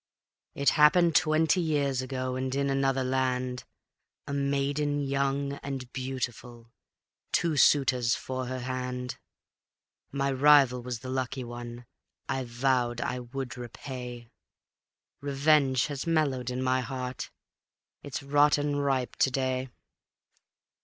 "It happened twenty years ago, and in another land: A maiden young and beautiful, two suitors for her hand. My rival was the lucky one; I vowed I would repay; Revenge has mellowed in my heart, it's rotten ripe to day.